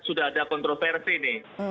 sudah ada kontroversi nih